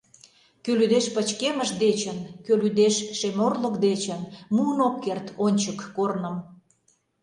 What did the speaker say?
Кӧ лӱдеш пычкемыш дечын, Кӧ лӱдеш шем орлык дечын — Муын ок керт ончык корным.